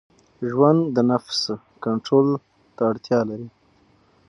ژوند د نفس کنټرول ته اړتیا لري.